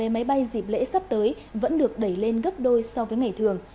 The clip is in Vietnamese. máy bay dịp lễ sắp tới vẫn được đẩy lên gấp đôi so với ngày thường